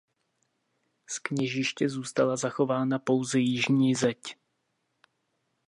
Z kněžiště zůstala zachována pouze jižní zeď.